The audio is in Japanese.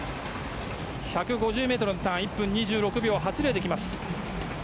１５０ｍのターン１分２６秒８０で来ます。